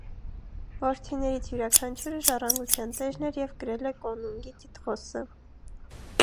Որդիներից յուրաքանչյուրը ժառանգության տերն էր և կրել է կոնունգի տիտղոսը։